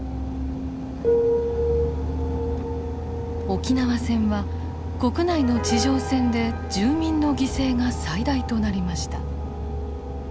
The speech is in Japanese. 沖縄戦は国内の地上戦で住民の犠牲が最大となりました。